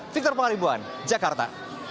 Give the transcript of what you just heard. victor pengaribuan jakarta